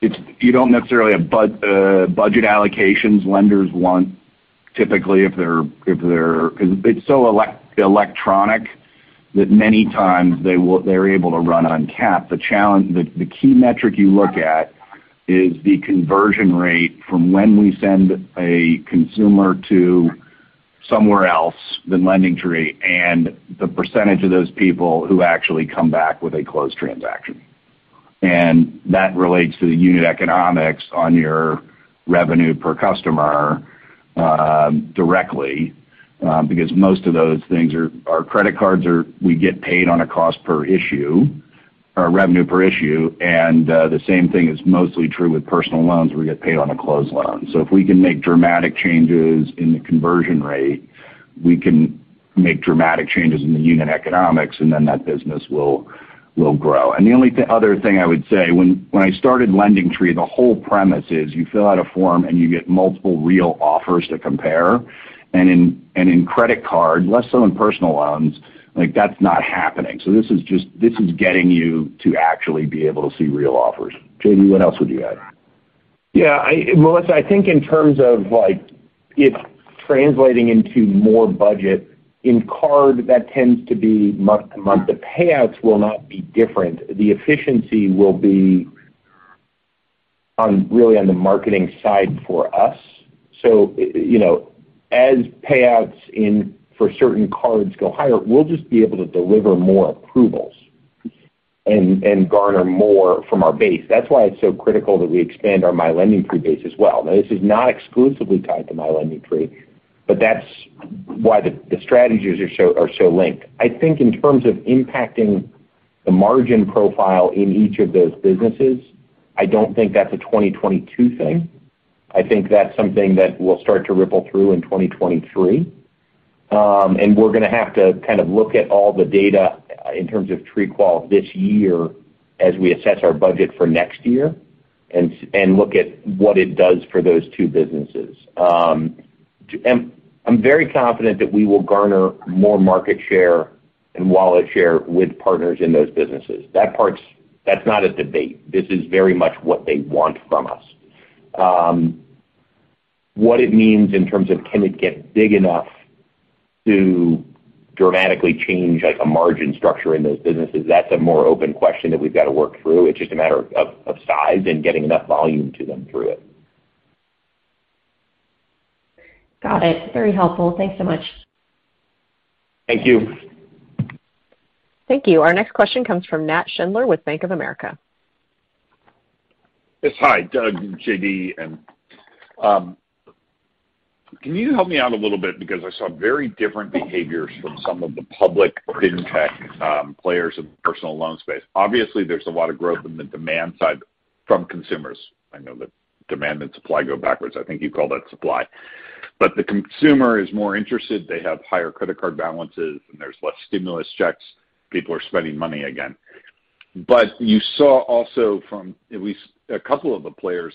it's you don't necessarily have budget allocations lenders want typically if they're because it's so electronic that many times they're able to run uncapped. The key metric you look at is the conversion rate from when we send a consumer to somewhere else than LendingTree and the percentage of those people who actually come back with a closed transaction. That relates to the unit economics on your revenue per customer directly because most of those things are our credit cards are. We get paid on a cost per issue or revenue per issue, and the same thing is mostly true with personal loans. We get paid on a closed loan. If we can make dramatic changes in the conversion rate, we can make dramatic changes in the unit economics, and then that business will grow. The only other thing I would say, when I started LendingTree, the whole premise is you fill out a form, and you get multiple real offers to compare. In credit card, less so in personal loans, like, that's not happening. This is just getting you to actually be able to see real offers. J.D., what else would you add? Yeah. Melissa, I think in terms of, like, it translating into more budget, in card, that tends to be month-to-month. The payouts will not be different. The efficiency will be really on the marketing side for us. You know, as payouts for certain cards go higher, we'll just be able to deliver more approvals and garner more from our base. That's why it's so critical that we expand our MyLendingTree base as well. Now, this is not exclusively tied to MyLendingTree, but that's why the strategies are so linked. I think in terms of impacting the margin profile in each of those businesses, I don't think that's a 2022 thing. I think that's something that will start to ripple through in 2023. We're gonna have to kind of look at all the data in terms of TreeQual this year as we assess our budget for next year and look at what it does for those two businesses. I'm very confident that we will garner more market share and wallet share with partners in those businesses. That's not a debate. This is very much what they want from us. What it means in terms of, can it get big enough to dramatically change, like, a margin structure in those businesses, that's a more open question that we've got to work through. It's just a matter of size and getting enough volume to them through it. Got it. Very helpful. Thanks so much. Thank you. Thank you. Our next question comes from Nat Schindler with Bank of America. Yes. Hi, Doug, J.D., and can you help me out a little bit because I saw very different behaviors from some of the public fintech players in the personal loan space. Obviously, there's a lot of growth in the demand side from consumers. I know that demand and supply go backwards. I think you call that supply. But the consumer is more interested. They have higher credit card balances, and there's less stimulus checks. People are spending money again. But you saw also from at least a couple of the players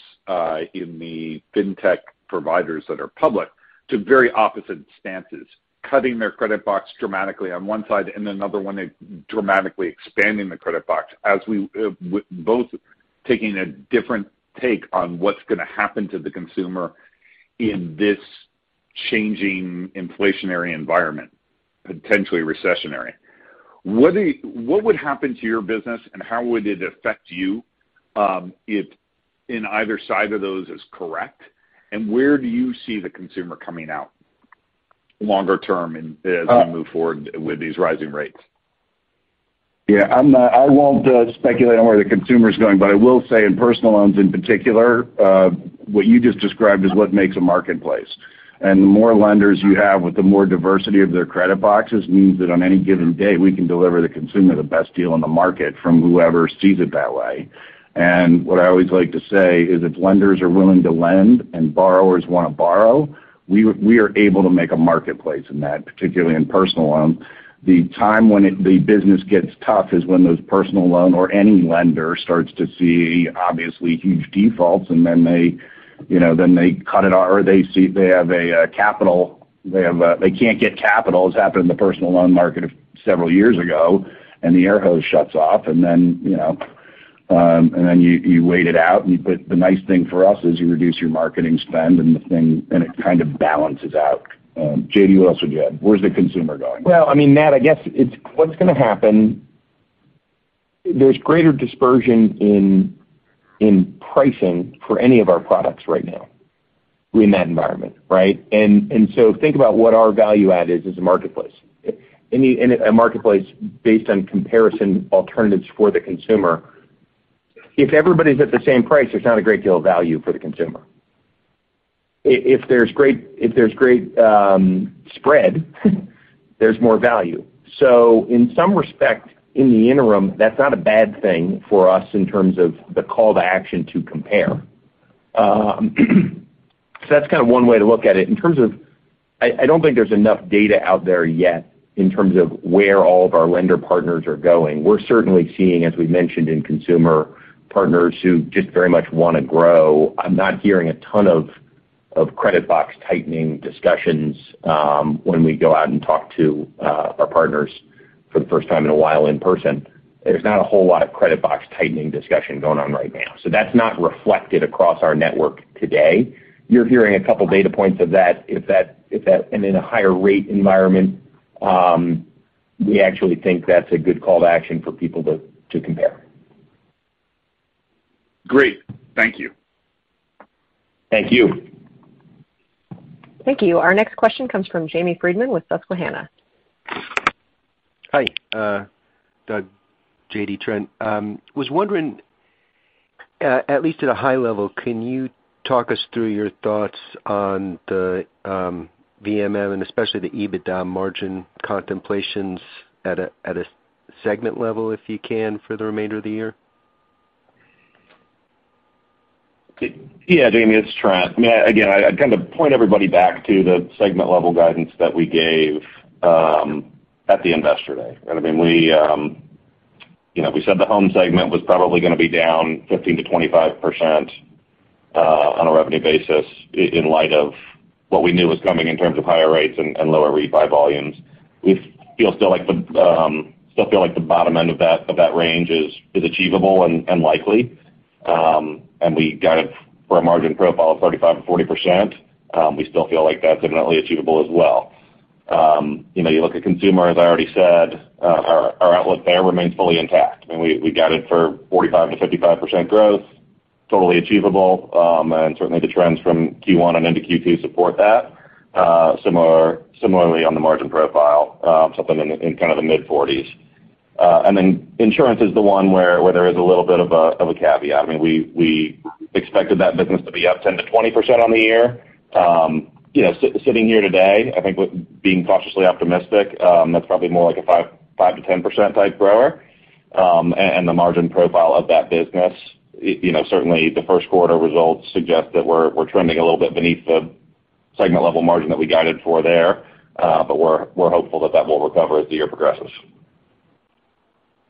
in the fintech providers that are public to very opposite stances, cutting their credit box dramatically on one side and another one dramatically expanding the credit box as both taking a different take on what's gonna happen to the consumer in this changing inflationary environment, potentially recessionary. What do you? What would happen to your business, and how would it affect you, if in either side of those is correct? Where do you see the consumer coming out longer term in- Uh- As we move forward with these rising rates? Yeah. I'm not. I won't speculate on where the consumer is going, but I will say in personal loans in particular, what you just described is what makes a marketplace. The more lenders you have with the more diversity of their credit boxes means that on any given day, we can deliver the consumer the best deal on the market from whoever sees it that way. What I always like to say is if lenders are willing to lend and borrowers wanna borrow, we are able to make a marketplace in that, particularly in personal loans. The time when the business gets tough is when those personal loan or any lender starts to see obviously huge defaults, and then they, you know, cut it or they see they have a capital. They can't get capital. This happened in the personal loan market several years ago, and the air hose shuts off. Then, you know, and then you wait it out. The nice thing for us is you reduce your marketing spend and the thing, and it kind of balances out. J.D., what else would you add? Where's the consumer going? Well, I mean, Nat, I guess it's what's gonna happen, there's greater dispersion in pricing for any of our products right now. We're in that environment, right? So think about what our value add is as a marketplace. In a marketplace based on comparison alternatives for the consumer, if everybody's at the same price, there's not a great deal of value for the consumer. If there's great spread, there's more value. So in some respect, in the interim, that's not a bad thing for us in terms of the call to action to compare. So that's kind of one way to look at it. In terms of, I don't think there's enough data out there yet in terms of where all of our lender partners are going. We're certainly seeing, as we've mentioned, in consumer partners who just very much wanna grow. I'm not hearing a ton of credit box tightening discussions when we go out and talk to our partners for the first time in a while in person. There's not a whole lot of credit box tightening discussion going on right now. That's not reflected across our network today. You're hearing a couple data points of that. In a higher rate environment, we actually think that's a good call to action for people to compare. Great. Thank you. Thank you. Thank you. Our next question comes from Jamie Friedman with Susquehanna. Hi, Doug, J.D., Trent. Was wondering, at least at a high level, can you talk us through your thoughts on the VMM and especially the EBITDA margin contemplations at a segment level, if you can, for the remainder of the year? Yeah, Jamie, it's Trent. I mean, again, I'd kind of point everybody back to the segment-level guidance that we gave at the Investor Day. I mean, you know, we said the home segment was probably gonna be down 15%-25% on a revenue basis in light of what we knew was coming in terms of higher rates and lower refi volumes. We still feel like the bottom end of that range is achievable and likely. We guided for a margin profile of 35%-40%. We still feel like that's definitely achievable as well. You know, you look at consumer, as I already said, our outlook there remains fully intact. I mean, we guided for 45%-55% growth, totally achievable. Certainly the trends from Q1 and into Q2 support that. Similarly on the margin profile, something in kind of the mid-40%. Insurance is the one where there is a little bit of a caveat. I mean, we expected that business to be up 10%-20% on the year. You know, sitting here today, I think with being cautiously optimistic, that's probably more like a 5%-10% type grower. The margin profile of that business, you know, certainly the Q1 results suggest that we're trending a little bit beneath the segment-level margin that we guided for there, but we're hopeful that that will recover as the year progresses.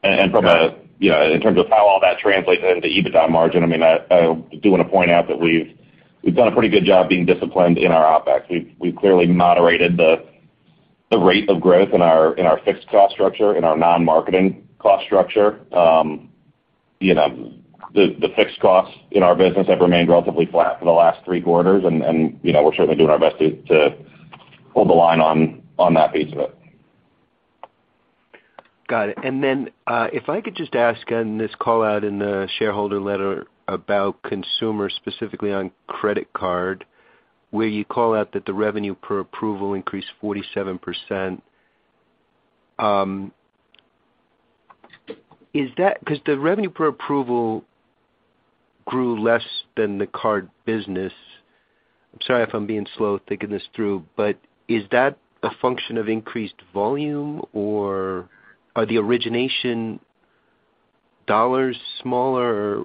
You know, in terms of how all that translates into EBITDA margin, I mean, I do wanna point out that we've done a pretty good job being disciplined in our OpEx. We've clearly moderated the rate of growth in our fixed cost structure, in our non-marketing cost structure. You know, the fixed costs in our business have remained relatively flat for the last three quarters. You know, we're certainly doing our best to hold the line on that piece of it. Got it. If I could just ask about this callout in the shareholder letter about consumer, specifically on credit card, where you call out that the revenue per approval increased 47%. Is that because the revenue per approval grew less than the card business. I'm sorry if I'm being slow thinking this through, but is that a function of increased volume or are the origination dollars smaller?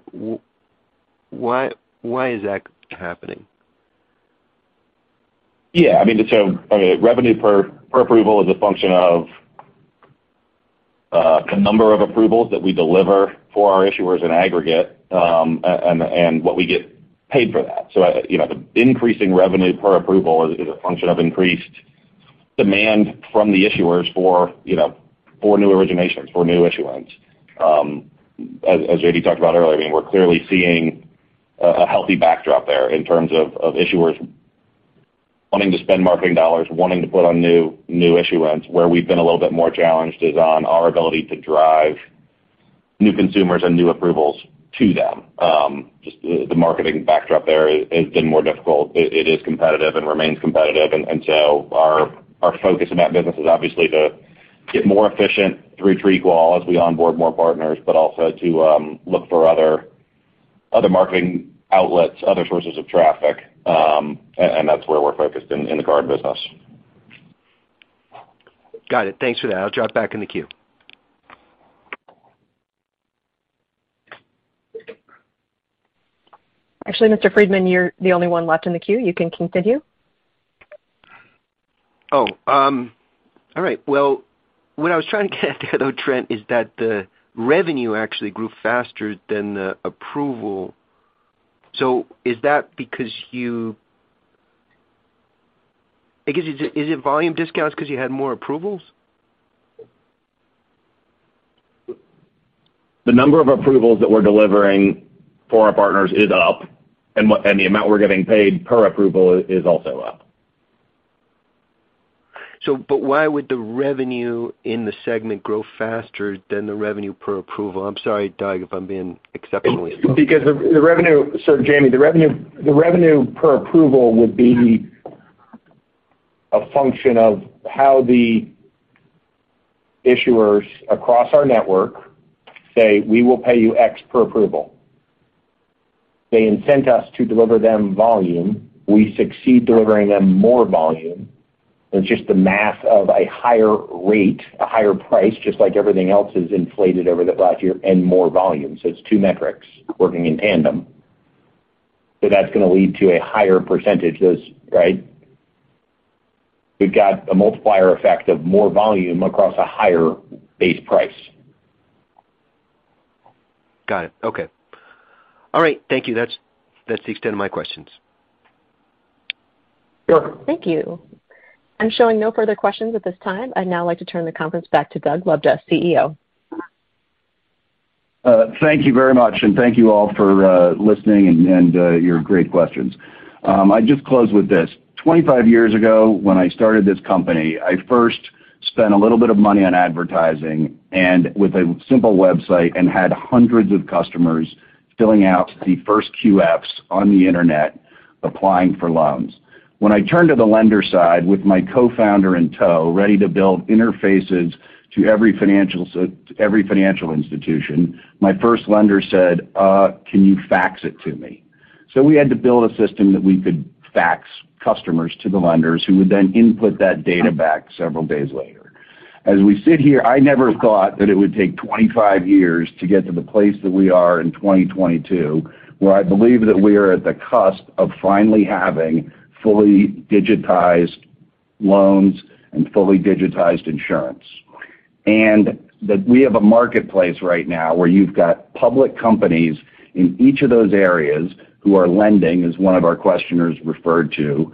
Why is that happening? Yeah. I mean, revenue per approval is a function of the number of approvals that we deliver for our issuers in aggregate, and what we get paid for that. You know, the increasing revenue per approval is a function of increased demand from the issuers for, you know, for new originations, for new issuance. As J.D. talked about earlier, I mean, we're clearly seeing a healthy backdrop there in terms of issuers wanting to spend marketing dollars, wanting to put on new issuance. Where we've been a little bit more challenged is on our ability to drive new consumers and new approvals to them. Just the marketing backdrop there has been more difficult. It is competitive and remains competitive. Our focus in that business is obviously to get more efficient through TreeQual as we onboard more partners, but also to look for other marketing outlets, other sources of traffic. That's where we're focused in the card business. Got it. Thanks for that. I'll drop back in the queue. Actually, Mr. Friedman, you're the only one left in the queue. You can continue. All right. Well, what I was trying to get at though, Trent, is that the revenue actually grew faster than the approval. Is that because, I guess, is it volume discounts 'cause you had more approvals? The number of approvals that we're delivering for our partners is up, and the amount we're getting paid per approval is also up. why would the revenue in the segment grow faster than the revenue per approval? I'm sorry, Doug, if I'm being exceptionally slow. Because the revenue. Jamie, the revenue per approval would be a function of how the issuers across our network say, "We will pay you X per approval." They incent us to deliver them volume, we succeed delivering them more volume, and it's just the math of a higher rate, a higher price, just like everything else, is inflated over the last year, and more volume. It's two metrics working in tandem. That's gonna lead to a higher percentage. Those right? We've got a multiplier effect of more volume across a higher base price. Got it. Okay. All right. Thank you. That's the extent of my questions. Sure. Thank you. I'm showing no further questions at this time. I'd now like to turn the conference back to Doug Lebda, CEO. Thank you very much and thank you all for listening and your great questions. I just close with this. 25 years ago, when I started this company, I first spent a little bit of money on advertising and with a simple website and had hundreds of customers filling out the first QFs on the internet applying for loans. When I turned to the lender side with my co-founder in tow, ready to build interfaces to every financial institution, my first lender said, "Can you fax it to me?" We had to build a system that we could fax customers to the lenders who would then input that data back several days later. As we sit here, I never thought that it would take 25 years to get to the place that we are in 2022, where I believe that we are at the cusp of finally having fully digitized loans and fully digitized insurance. That we have a marketplace right now where you've got public companies in each of those areas who are lending, as one of our questioners referred to,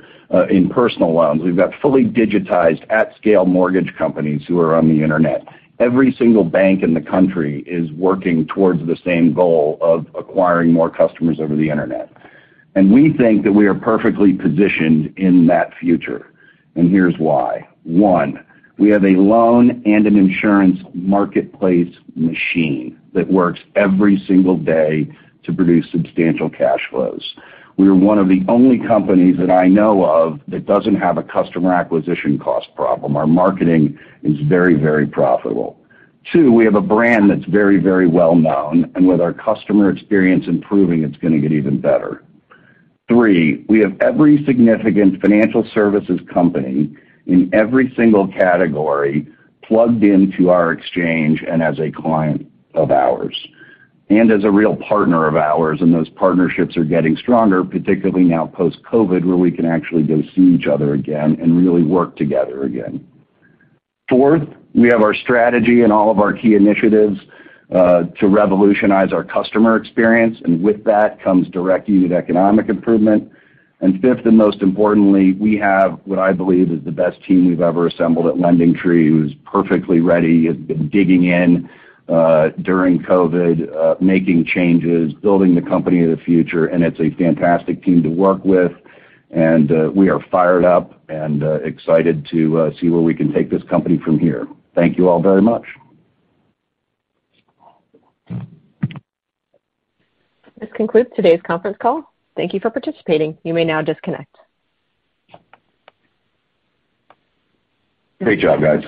in personal loans. We've got fully digitized at-scale mortgage companies who are on the internet. Every single bank in the country is working towards the same goal of acquiring more customers over the internet. We think that we are perfectly positioned in that future, and here's why. One, we have a loan and an insurance marketplace machine that works every single day to produce substantial cash flows. We are one of the only companies that I know of that doesn't have a customer acquisition cost problem. Our marketing is very, very profitable. Two, we have a brand that's very, very well-known, and with our customer experience improving, it's gonna get even better. Three, we have every significant financial services company in every single category plugged into our exchange and as a client of ours and as a real partner of ours, and those partnerships are getting stronger, particularly now post-COVID, where we can actually go see each other again and really work together again. Fourth, we have our strategy and all of our key initiatives to revolutionize our customer experience, and with that comes direct unit economic improvement. Fifth, and most importantly, we have what I believe is the best team we've ever assembled at LendingTree, who's perfectly ready, has been digging in, during COVID, making changes, building the company of the future, and it's a fantastic team to work with. We are fired up and, excited to, see where we can take this company from here. Thank you all very much. This concludes today's conference call. Thank you for participating. You may now disconnect. Great job, guys.